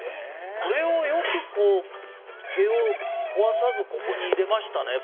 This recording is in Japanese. これをよく毛を壊さずここに入れましたね。